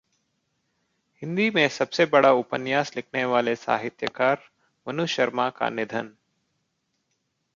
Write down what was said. हिन्दी में सबसे बड़ा उपन्यास लिखने वाले साहित्यकार मनु शर्मा का निधन